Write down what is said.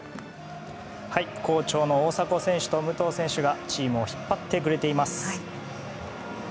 好調の大迫選手と武藤選手がチームを引っ張ってくれています。